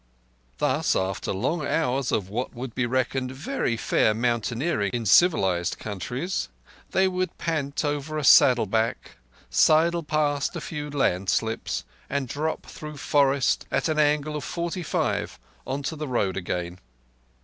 Thus, after long hours of what would be reckoned very fair mountaineering in civilized countries, they would pant over a saddle back, sidle past a few landslips, and drop through forest at an angle of forty five onto the road again.